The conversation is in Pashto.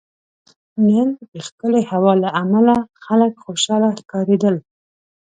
نن دښکلی هوا له عمله خلک خوشحاله ښکاریدل